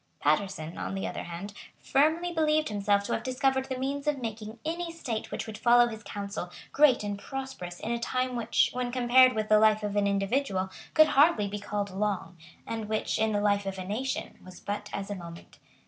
Paterson, on the other hand, firmly believed himself to have discovered the means of making any state which would follow his counsel great and prosperous in a time which, when compared with the life of an individual, could hardly be called long, and which, in the life of a nation, was but as a moment.